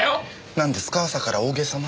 なんですか朝から大げさな。